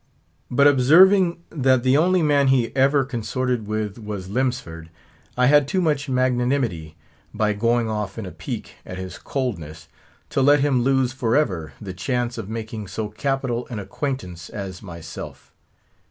But observing that the only man he ever consorted with was Lemsford, I had too much magnanimity, by going off in a pique at his coldness, to let him lose forever the chance of making so capital an acquaintance as myself.